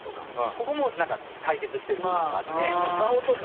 ここもなんか対決してる部分があって。